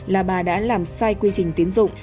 là bà đã làm sai quy trình tiến dụng